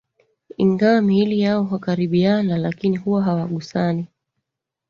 Ingawa miili yao hukaribiana lakini huwa hawagusani